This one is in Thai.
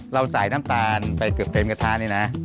เราใส่น้ำตาลไปเกือบเต็มกระทะนี่นะ